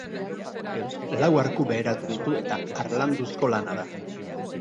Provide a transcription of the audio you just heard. Lau arku beheratu ditu eta harlanduzko lana da.